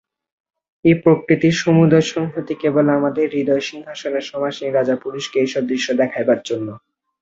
এই প্রকৃতির সমুদয় সংহতি কেবল আমাদের হৃদয়সিংহাসনে সমাসীন রাজা পুরুষকে এইসব দৃশ্য দেখাইবার জন্য।